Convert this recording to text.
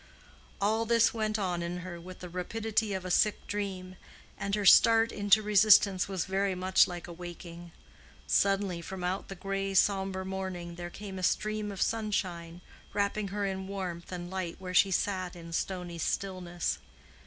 All this went on in her with the rapidity of a sick dream; and her start into resistance was very much like a waking. Suddenly from out the gray sombre morning there came a stream of sunshine, wrapping her in warmth and light where she sat in stony stillness.